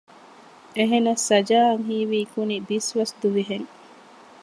އެހެނަސް ސަޖާއަށް ހީވީ ކުނިބިސްވަސް ދުވިހެން